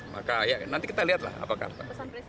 maka nanti kita lihatlah apakah